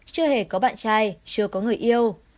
chưa hề có bạn trai chưa có người yêu